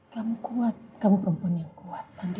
kamu kuat kamu perempuan yang kuat